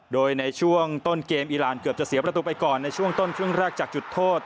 โดยในช่วงต้นเกมอีรานเกือบจะเสียประตูไปก่อนในช่วงต้นครึ่งแรกจากจุดโทษ